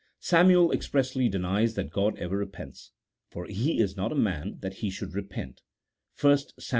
Samuel expressly denies that God ever repents, " for he is not a man that he should repent" (1 Sam.